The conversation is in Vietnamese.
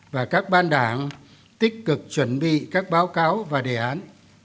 và các ban đảng tích cực chuẩn bị các báo cáo và đề án